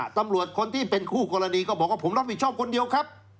ตำรวจคนที่เป็นคู่กรณีก็บอกว่าผมรับผิดชอบคนเดียวครับ